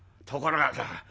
ところがさ